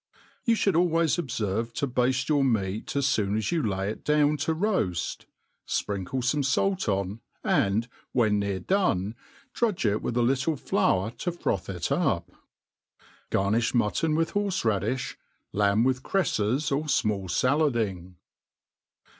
You fliould always dbterVe to bafte yourmeat as focfn 'as you lay it down t^ roaft, fpr inkle fome fait on*, aivd, when near dorif, drudge i^with a little flour to froth it, up. Garnifli mutton with korfe rad<}iih ; lamb, with crelTes, or fmall falUding.